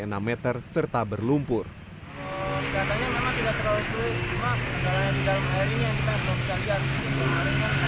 seatanya memang tidak terlalu sulit cuma karena di dalam air ini yang kita bisa lihat